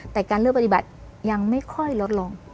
แต่การเลือกปฏิบัติยังไม่ค่อยลดลง